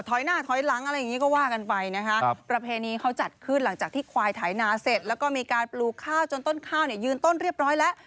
หน้าถอยหลังอะไรอย่างนี้ก็ว่ากันไปนะคะประเพณีเขาจัดขึ้นหลังจากที่ควายไถนาเสร็จแล้วก็มีการปลูกข้าวจนต้นข้าวเนี่ยยืนต้นเรียบร้อยแล้ว